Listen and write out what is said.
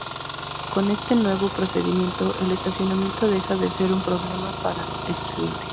Con este nuevo procedimiento el estacionamiento deja de ser un problema para el cliente.